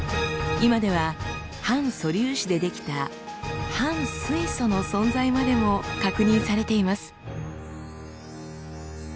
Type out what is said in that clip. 今では反素粒子で出来た反水素の存在までも確認されています。